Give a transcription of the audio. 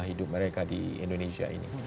hidup mereka di indonesia ini